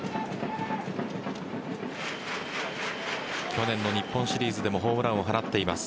去年の日本シリーズでもホームランを放っています。